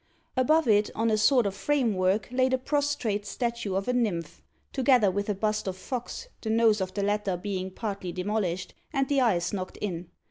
Above it, on a sort of framework, lay the prostrate statue of a nymph, together with a bust of Fox, the nose of the latter being partly demolished, and the eyes knocked in.